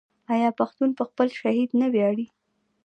آیا پښتون په خپل شهید نه ویاړي؟